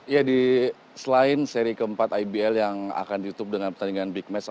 ya selain seri ke empat ibl yang akan diutup dengan pertandingan big match